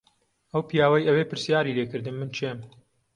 ئەو پیاوەی ئەوێ پرسیاری لێ کردم من کێم.